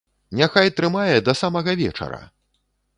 Няхай трымае да самага вечара!